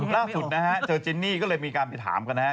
ล่าสุดนะฮะเจอจินนี่ก็เลยมีการไปถามกันนะฮะ